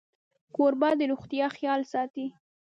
کوربه د روغتیا خیال ساتي.